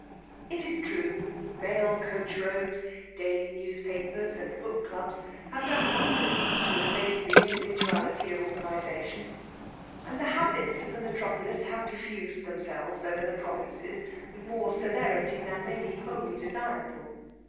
'H'ik true, mail coacli roads, daily newspaj)^/ Md book*club6, have done wonders to etRace' tfiis individuality of organization ; and the^ IkAsi^ of the metropolis have diffused theiA ^ sfelves over the provinces with more celerity tiian may be wholly desirable.